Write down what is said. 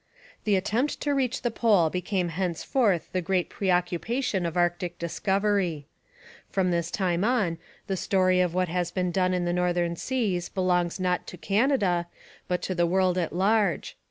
The attempt to reach the Pole became henceforth the great preoccupation of Arctic discovery. From this time on the story of what has been done in the northern seas belongs not to Canada but to the world at large.